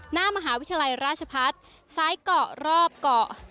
หน้ามหาวิทยาลัยราชพัฒน์ซ้ายเกาะรอบเกาะ